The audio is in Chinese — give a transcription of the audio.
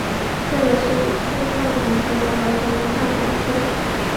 这个是冲浪板型的儿童踏板车。